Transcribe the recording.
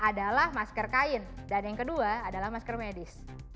adalah masker kain dan yang kedua adalah masker medis